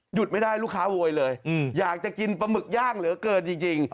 ไม่ได้ลูกค้าโวยเลยอยากจะกินปลาหมึกย่างเหลือเกินจริง